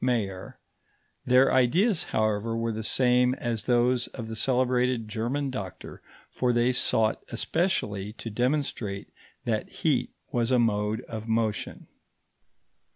Mayer; their ideas, however, were the same as those of the celebrated German doctor, for they sought especially to demonstrate that heat was a mode of motion.